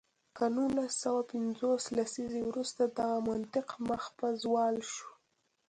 له نولس سوه پنځوس لسیزې وروسته دغه منطق مخ په زوال شو.